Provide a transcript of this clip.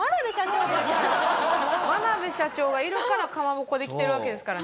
眞鍋社長がいるからかまぼこができてるわけですからね。